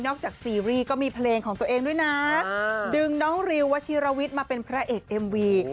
จากซีรีส์ก็มีเพลงของตัวเองด้วยนะดึงน้องริววชิรวิทย์มาเป็นพระเอกเอ็มวี